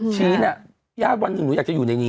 ชีนยากวันหนึ่งอยากจะอยู่ในนี้